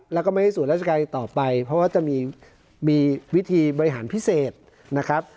แล้วก็ไม่ให้ส่วนราชการต่อไปเพราะว่าจะมีวิธีบริหารพิเศษนะครับ